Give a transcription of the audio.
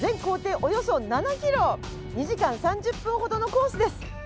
およそ７キロ２時間３０分ほどのコースです。